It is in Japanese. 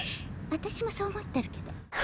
私もそう思ってるけど」